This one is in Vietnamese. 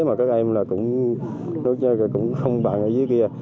mà các em là cũng không bằng ở dưới kia